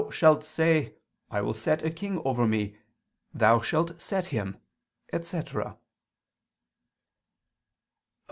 shalt say: I will set a king over me ... thou shalt set him," etc. Obj.